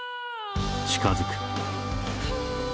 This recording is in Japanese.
近づく。」。